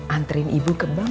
anterin ibu ke bank